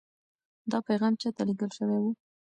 دا پیغام چا ته لېږل شوی و؟